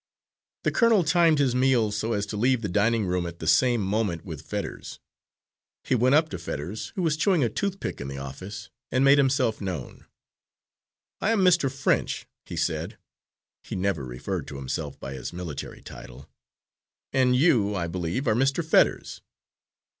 The colonel timed his meal so as to leave the dining room at the same moment with Fetters. He went up to Fetters, who was chewing a toothpick in the office, and made himself known. "I am Mr. French," he said he never referred to himself by his military title "and you, I believe, are Mr. Fetters?"